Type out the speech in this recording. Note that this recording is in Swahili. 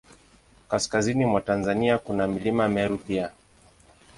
Kaskazini mwa Tanzania, kuna Mlima Meru pia.